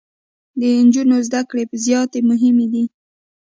د انجونو زده کړي زياتي مهمي دي.